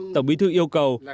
tổng bí thư yêu cầu